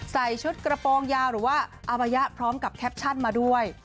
ใส่ชุดกระโปรงยาวหรือว่าอาบายะพร้อมกับแคปชั่นมาด้วย